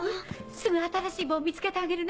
すぐ新しい棒を見つけてあげるね。